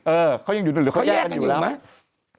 เขายังอยู่นู่นหรือเขาแยกกันอยู่แล้วไหม